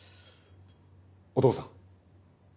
お父さん。